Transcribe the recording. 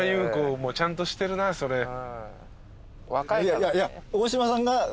いやいや。